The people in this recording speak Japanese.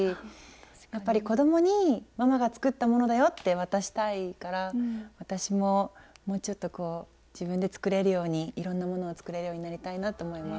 やっぱり子どもにママが作ったものだよって渡したいから私ももうちょっと自分で作れるようにいろんなものを作れるようになりたいなと思います。